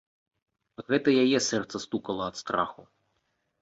Гэта яе сэрца стукатала ад страху.